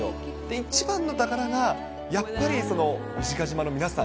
一番の宝が、やっぱり、小値賀島の皆さん